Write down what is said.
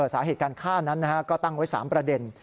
สาเหตุการฆ่านั้นก็ตั้งไว้๓ประเด็น